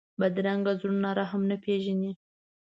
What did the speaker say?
بدرنګه زړونه رحم نه پېژني